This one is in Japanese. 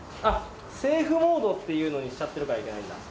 セーフモードっていうのにしちゃってるからいけないんだ。